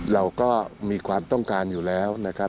เราก็มีความต้องการอยู่แล้วนะครับ